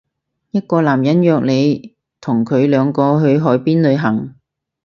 一個男人約你同佢兩個人去海邊旅行